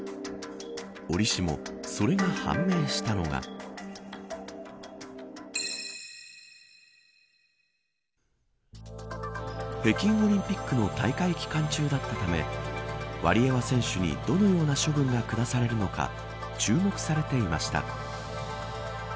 折しも、それが判明したのが北京オリンピックの大会期間中だったためワリエワ選手にどのような処分がくだされるのか注目されていました。